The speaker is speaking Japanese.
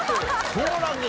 そうなんです？